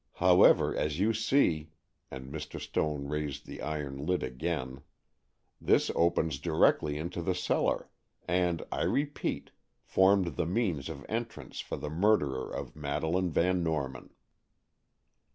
However, as you see," and Mr. Stone raised the iron lid again, "this opens directly into the cellar, and, I repeat, formed the means of entrance for the murderer of Madeleine Van Norman."